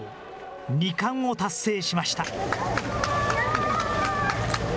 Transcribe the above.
２冠を達成しました。